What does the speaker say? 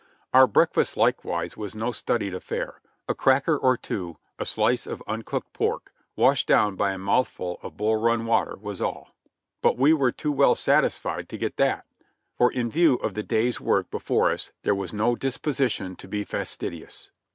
Our breakfast likewise was no studied affair ; a cracker or two, a slice of uncooked pork washed down by a mouthful of "Bull Run" water, was all ; but we were too well satisfied to get that, for in view of the day's work before us there was no disposition to be fastidious.